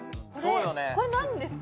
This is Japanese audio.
これ何ですか？